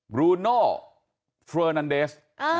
บลูโน่เฟอร์นันเดส